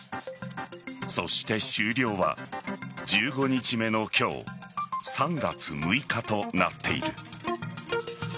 そして終了は１５日目の今日３月６日となっている。